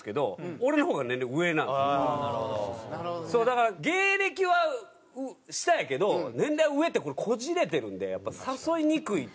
だから芸歴は下やけど年齢は上ってこれこじれてるんでやっぱ誘いにくいと。